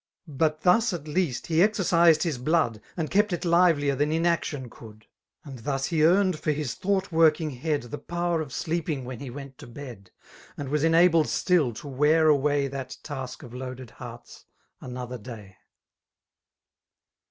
But thus> At least, he exercised his blood> And kept it livelier than inaction could; And thus he earned for his thougkUworkisg head The p6wer of slewing when he went to bed> And was enabled stm to wear away That task of loaded hearts, another day.